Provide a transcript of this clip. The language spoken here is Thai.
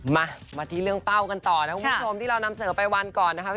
มามาที่เรื่องเป้ากันต่อนะคุณผู้ชมที่เรานำเสนอไปวันก่อนนะคะ